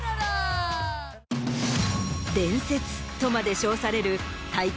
伝説とまで称される大会